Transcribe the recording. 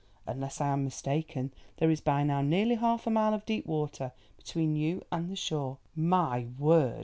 Unless I am mistaken there is by now nearly half a mile of deep water between you and the shore." "My word!"